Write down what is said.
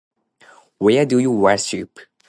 Where do you worship?